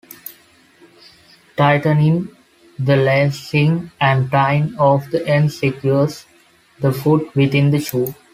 Tightening the lacing and tying off the ends secures the foot within the shoe.